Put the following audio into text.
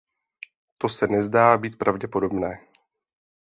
To se nezdá být pravděpodobné.